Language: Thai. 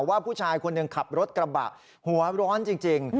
ว่าผู้ชายคนหนึ่งขับรถกระบะหัวร้อนจริง